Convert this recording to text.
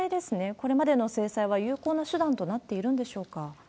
これまでの制裁は有効な手段となっているんでしょうか？